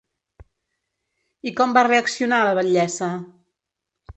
I com va reaccionar la batllessa?